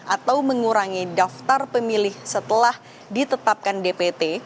atau mengurangi daftar pemilih setelah ditetapkan dpt